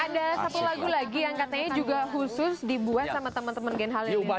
ada satu lagu lagi yang katanya juga khusus dibuat sama teman teman gen halil ya